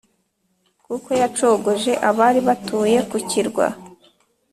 kuko yacogoje abari batuye ku kirwa